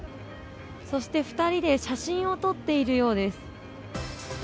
そして２人で写真を撮っているようです。